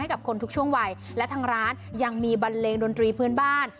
กับคนทุกช่วงวัยและทางร้านยังมีบันเลงดนตรีพื้นบ้าน